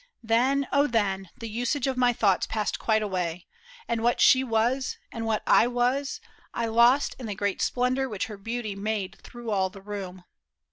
Then, O then. The usage of my thoughts passed quite away. And what she was and what I was, I lost In the great splendor which her beauty made Through all the room.